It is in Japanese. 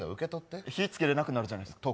火つけれなくなるじゃないですか。